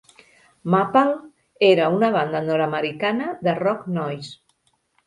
Maple era una banda nord-americana de rock noise.